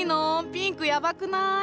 ピンクやばくない？